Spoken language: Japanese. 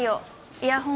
イヤホン